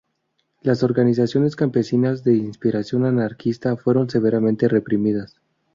Las organizaciones campesinas de inspiración anarquista fueron severamente reprimidas.